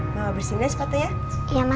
hai bersihnya sekatnya ya ma